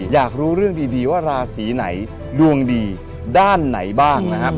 อยากรู้เรื่องดีว่าราศีไหนดวงดีด้านไหนบ้างนะครับ